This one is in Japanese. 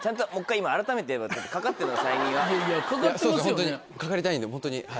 ホントにかかりたいんでホントに。